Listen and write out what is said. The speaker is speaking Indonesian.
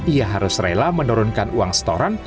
ia harus rela menurunkan uang setoran